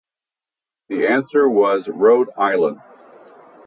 The answer was "Rhode Island".